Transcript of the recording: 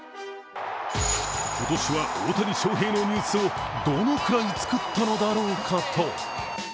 今年は大谷翔平のニュースをどのくらい作ったのだろうかと。